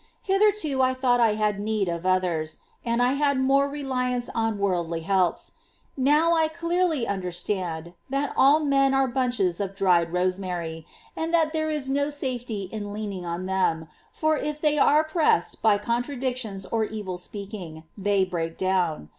Hitherto I thought I had need of others, and I had more reliance on worldly helps. Now I clearly understand that all men are bunches of dried rosemary, and that there is no safety in leaning on them, for if they are pressed by contradictions or evil speaking they break down.